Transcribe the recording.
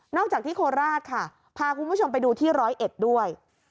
นอกจากที่โคราชค่ะพาคุณผู้ชมไปดูที่๑๐๑ด้วย